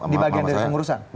di bagian dari pengurusan